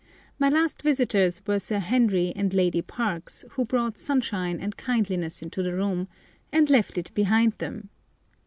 My last visitors were Sir Harry and Lady Parkes, who brought sunshine and kindliness into the room, and left it behind them.